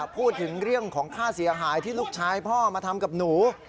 พูดถึงเรื่องของค่าเสียหายที่ลูกชายพ่อมาทำกับหนู